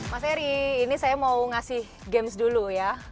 mas eri ini saya mau ngasih games dulu ya